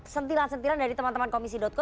sentilan sentilan dari teman teman komisi co